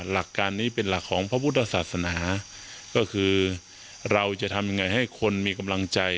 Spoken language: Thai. หลักการนี้เป็นหลักของพระพุทธศาสนาก็คือเราจะทำยังไงให้คนมีกำลังใจ